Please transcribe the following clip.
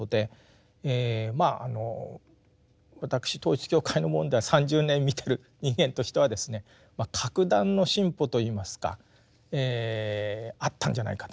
私統一教会の問題は３０年見てる人間としてはですね格段の進歩といいますかあったんじゃないかなと。